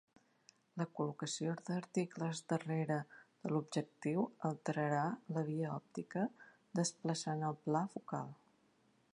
La col·locació d'articles darrere de l'objectiu alterarà la via òptica, desplaçant el pla focal.